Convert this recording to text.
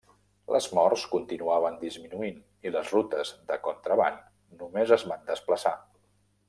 Les morts continuaven disminuint, i les rutes de contraban només es van desplaçar.